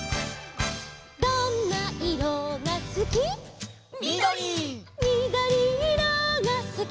「どんないろがすき」「みどり」「みどりいろがすき」